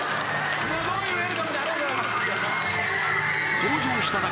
すごいウエルカムでありがとうございます。